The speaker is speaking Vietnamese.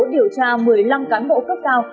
điều tra một mươi năm cán bộ cấp cao